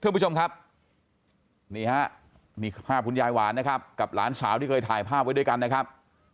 คุณผู้ชมครับนี่ฮะนี่ภาพคุณยายหวานนะครับกับหลานสาวที่เคยถ่ายภาพไว้ด้วยกันนะครับ